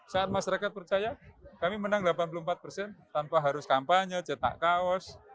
saat masyarakat percaya kami menang delapan puluh empat persen tanpa harus kampanye cetak kaos